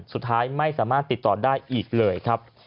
สุดท้ายไม่สามารถติดต่อได้อีกเลยครับ